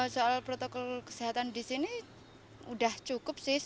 soal protokol kesehatan disini sudah cukup